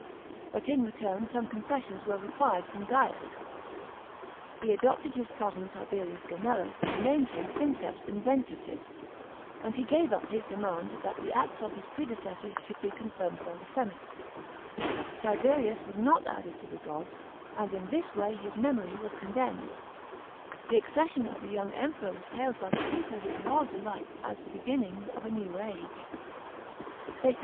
But in return some concessions were required from Gaius, He adopted his cousin Tiberius Gemellus and named him princess iuventutis ; and he gave up his demand that the acts of his predecessor should be confirmed by the senate. Tiberius was not added to the gods, and in this way his memory was condemned. § 2. The accession of the young Emperor was hailed by the people with wild delight as the beginning of a new age. They had * His official title was C.